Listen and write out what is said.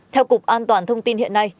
theo cục an toàn thông tin hiện nay